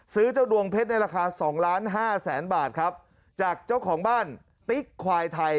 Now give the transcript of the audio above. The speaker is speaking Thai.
ซื้อเจ้าดวงเพชรในราคา๒๕๐๐๐๐๐บาทครับจากเจ้าของบ้านติ๊กควายไทย